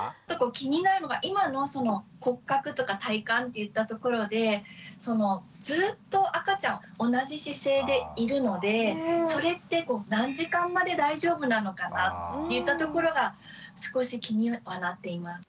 気になるのが今のその骨格とか体幹っていったところでずっと赤ちゃん同じ姿勢でいるのでそれって何時間まで大丈夫なのかなっていったところが少し気にはなっています。